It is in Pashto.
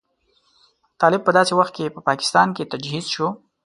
طالب په داسې وخت کې په پاکستان کې تجهیز شو.